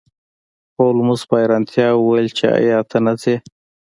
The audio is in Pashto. هولمز په حیرانتیا وویل چې ایا ته نه ځې